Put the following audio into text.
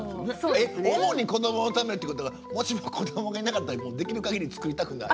えっ主に子どものためってことはもしも子どもがいなかったらできるかぎり作りたくない？